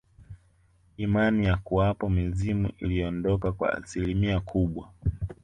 Imani ya kuwapo mizimu iliondoka kwa asilimia kubwa